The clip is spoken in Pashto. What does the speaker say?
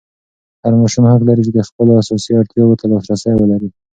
هر ماشوم حق لري چې د خپلو اساسي اړتیاوو ته لاسرسی ولري.